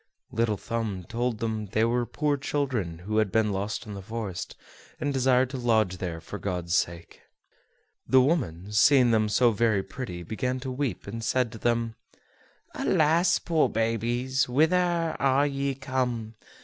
Little Thumb told her they were poor children who had been lost in the forest, and desired to lodge there for God's sake. The woman, seeing them so very pretty, began to weep, and said to them: "Alas! poor babies; whither are ye come?